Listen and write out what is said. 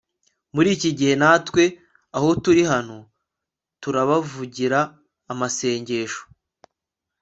muri iki gihe natwe aho turi hano, turabavugira amasengesho